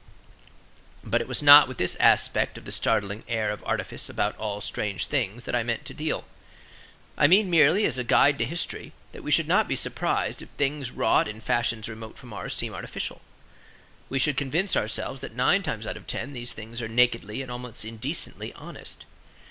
But it was not with this aspect of the startling air of artifice about all strange objects that I meant to deal. I mean merely, as a guide to history, that we should not be surprised if things wrought in fashions remote from ours seem artificial; we should convince ourselves that nine times out of ten these things are nakedly and almost indecently honest.